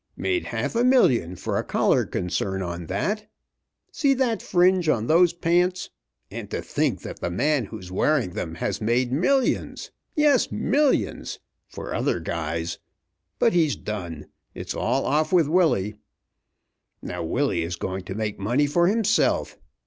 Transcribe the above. Made half a million for a collar concern on that. See that fringe on those pants? And to think that the man who's wearing them has made millions! Yes, millions for other guys. But he's done. It's all off with Willie. Now Willie is going to make money for himself.